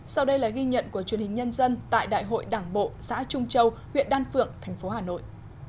sau đây là ghi nhận của truyền hình nhân dân tại đại hội đảng bộ xã trung châu huyện đan phượng thành phố hà nội